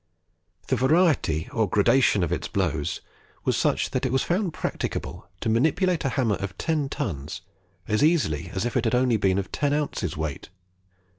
The variety or gradation of its blows was such, that it was found practicable to manipulate a hammer of ten tons as easily as if it had only been of ten ounces weight.